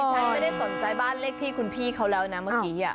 ฉันไม่ได้สนใจบ้านเลขที่คุณพี่เขาแล้วนะเมื่อกี้